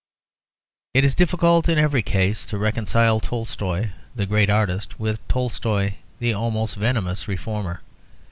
It is difficult in every case to reconcile Tolstoy the great artist with Tolstoy the almost venomous reformer.